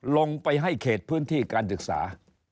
ลงไปให้เขตพื้นที่การศึกษา